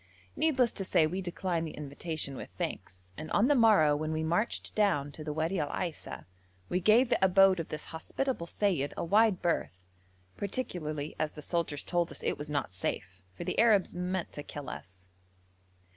Needless to say we declined the invitation with thanks, and on the morrow when we marched down the Wadi Al Aisa we gave the abode of this hospitable seyyid a wide berth, particularly as the soldiers told us it was not safe, for the Arabs meant to kill us.